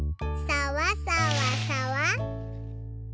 さわさわさわ。